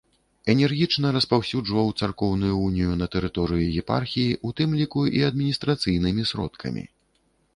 Энергічна распаўсюджваў царкоўную унію на тэрыторыі епархіі, у тым ліку і адміністрацыйнымі сродкамі.